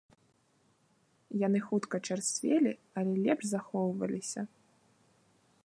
Яны хутка чарсцвелі, але лепш захоўваліся.